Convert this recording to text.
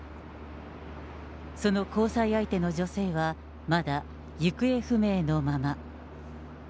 その交際相手の女性は、まだ行方不明のまま。